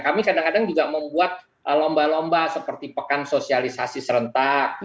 kami kadang kadang juga membuat lomba lomba seperti pekan sosialisasi serentak